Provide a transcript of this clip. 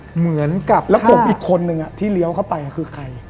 เหมือนกับแล้วผมอีกคนนึงที่เลี้ยวเข้าไปคือใคร